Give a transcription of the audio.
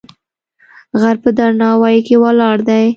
غر په درناوی کې ولاړ دی.